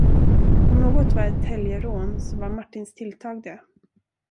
Om något var ett helgerån, så var Martins tilltag det.